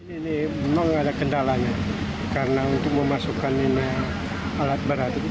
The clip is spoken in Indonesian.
ini memang ada kendalanya karena untuk memasukkan lima alat berat